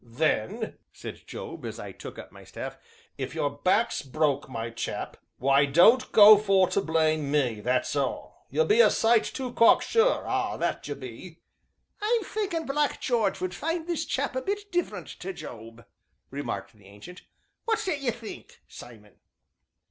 "Then," said Job, as I took up my staff, "if your back's broke, my chap why, don't go for to blame me, that's all! You be a sight too cocksure ah, that you be!" "I'm thinkin' Black Jarge would find this chap a bit different to Job," remarked the Ancient. "What do 'ee think, Simon?"